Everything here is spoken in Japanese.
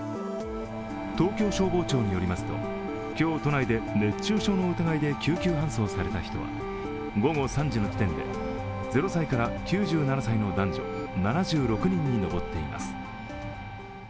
東京消防庁によりますと今日、都内で熱中症の疑いで救急搬送された人は午後３時の時点で０歳から９７歳の男女７６人に上っています。